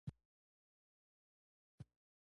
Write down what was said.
که شکستګي ولرې، نو التهابي کیدل يې ښه نه دي.